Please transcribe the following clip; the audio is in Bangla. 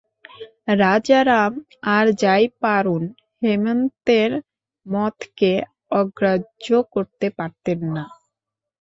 রাজারাম আর যাই পারুন হেমন্তের মতকে অগ্রাহ্য করতে পারতেন না।